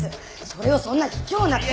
それをそんな卑怯な手で。